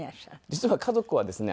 実は家族はですね